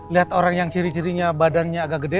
lihat orang yang ciri cirinya badannya agak gede